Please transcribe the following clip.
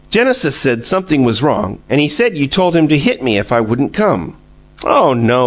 "Genesis said something was wrong, and he said you told him to hit me if I wouldn't come." "Oh NO!"